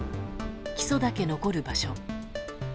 基礎だけ残る場所。